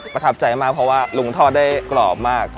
ประทับใจมากเพราะว่าลุงทอดได้กรอบมาก